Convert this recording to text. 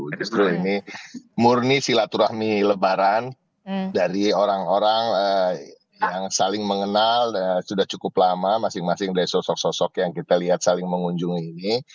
justru ini murni silaturahmi lebaran dari orang orang yang saling mengenal sudah cukup lama masing masing dari sosok sosok yang kita lihat saling mengunjungi ini